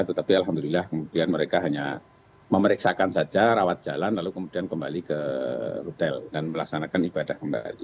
tetapi alhamdulillah kemudian mereka hanya memeriksakan saja rawat jalan lalu kemudian kembali ke hotel dan melaksanakan ibadah kembali